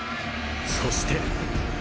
［そして］